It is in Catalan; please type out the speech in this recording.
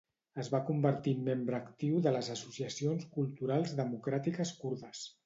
Es va convertir en membre actiu de les associacions culturals democràtiques kurdes.